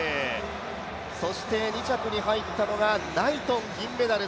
そして２着に入ったのがナイトン、銀メダル。